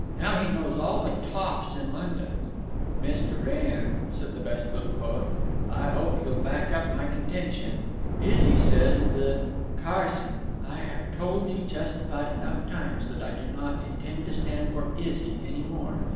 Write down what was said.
Now he knows all the toffs in London." "Mr. Wrenn," said the best little poet, "I hope you'll back up my contention. Izzy says th—" "Carson, I have told you just about enough times that I do not intend to stand for 'Izzy' any more!